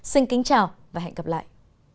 xin kính chào và hẹn gặp lại